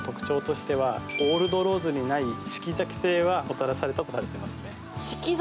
モダンローズの特徴としてはオールドローズにない四季咲き性がもたらされたとされています。